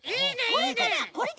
これかな？